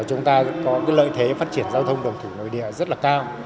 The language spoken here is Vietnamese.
chúng ta có lợi thế phát triển giao thông đường thủy nội địa rất là cao